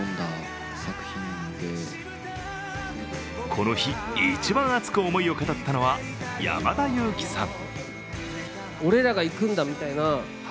この日、一番熱く思いを語ったのは山田裕貴さん。